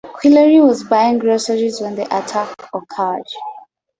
Quilery was buying groceries when the attack occurred.